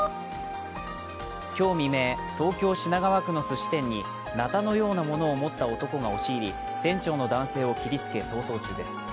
今日未明、東京・品川区のすし店になたのようなものを持った男が押し入り、店長の男性を切りつけ逃走中です。